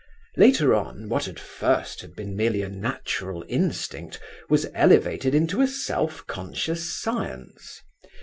Later on, what at first had been merely a natural instinct was elevated into a self conscious science.